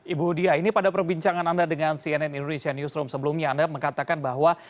ibu dia ini pada perbincangan anda dengan cnn indonesia newsroom sebelumnya anda mengatakan bahwa